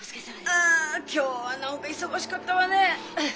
あ今日は何か忙しかったわねえ！